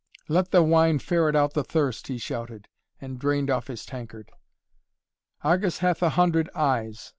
"Let the wine ferret out the thirst!" he shouted, and drained off his tankard. "Argus hath a hundred eyes!